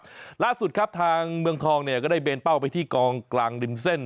ล่าสุดครับทางเมืองทองเนี่ยก็ได้เบนเป้าไปที่กองกลางริมเส้น